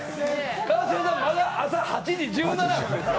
川島さん、まだ８時１８分。